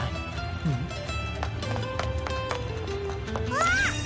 あっ！